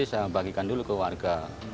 saya bagikan dulu ke warga